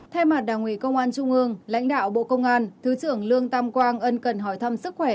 thay mặt đảng ủy công an trung ương lãnh đạo bộ công an thứ trưởng lương tam quang ân cần hỏi thăm sức khỏe